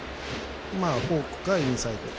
フォークかインサイド。